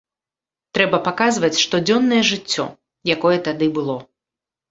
Трэба паказваць штодзённае жыццё, якое тады было.